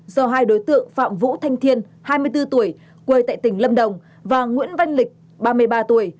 do hai đối tượng phạm vũ thanh thiên hai mươi bốn tuổi quê tại tỉnh lâm đồng và nguyễn văn lịch ba mươi ba tuổi